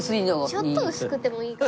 ちょっと薄くてもいい。